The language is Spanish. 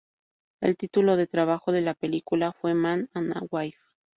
El título de trabajo de la película fue "Man and Wife".